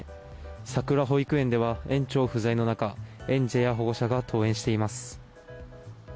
さくら保育園では園長不在の中園児や保護者が登園しています。